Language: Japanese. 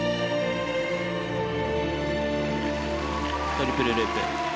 トリプルループ。